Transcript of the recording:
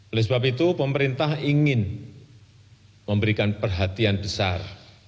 oleh sebab itu pemerintah ingin memberikan perhatian besar